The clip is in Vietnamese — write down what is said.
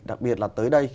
đặc biệt là tới đại dịch